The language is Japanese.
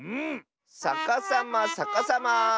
さかさまさかさま。